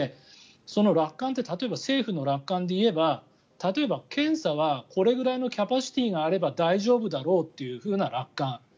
その楽観って例えば政府の楽観で言えば例えば検査は、これくらいのキャパシティーがあれば大丈夫だろうというふうな楽観。